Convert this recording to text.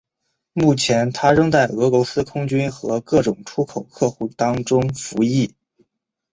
目前它仍在俄罗斯空军和各种出口客户当中服役。